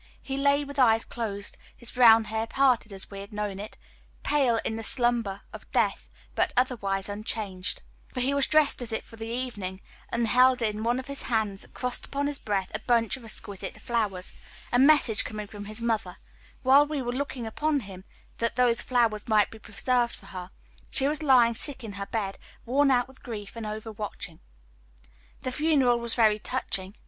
He lay with eyes closed his brown hair parted as we had known it pale in the slumber of death; but otherwise unchanged, for he was dressed as if for the evening, and held in one of his hands, crossed upon his breast, a bunch of exquisite flowers a message coming from his mother, while we were looking upon him, that those flowers might be preserved for her. She was lying sick in her bed, worn out with grief and over watching. "The funeral was very touching.